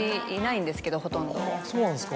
そうなんですか。